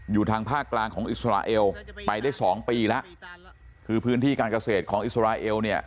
ทางภาคกลางของอิสราเอลไปได้สองปีแล้วคือพื้นที่การเกษตรของอิสราเอลเนี่ย